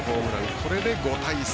これで５対３。